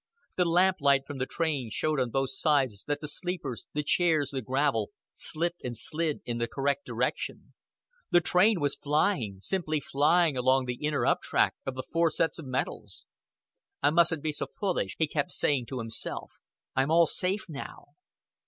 The lamplight from the train showed on both sides that the sleepers, the chairs, the gravel, slipped and slid in the correct direction. The train was flying, simply flying along the inner up track of the four sets of metals. "I mustn't be so fullish," he kept saying to himself. "I'm all safe now."